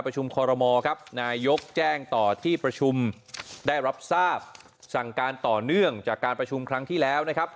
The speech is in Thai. คอรมอครับนายกแจ้งต่อที่ประชุมได้รับทราบสั่งการต่อเนื่องจากการประชุมครั้งที่แล้วนะครับ